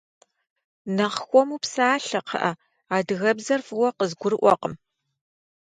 Нэхъ хуэму псалъэ, кхъыӏэ, адыгэбзэр фӏыуэ къызгурыӏуэкъым.